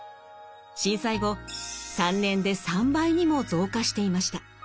震災後３年で３倍にも増加していました。